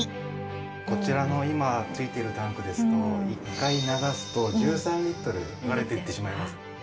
こちらの今付いているタンクですと１回流すと１３リットル流れていってしまいます。